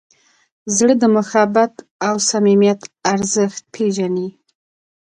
زړه د محبت او صمیمیت ارزښت پېژني.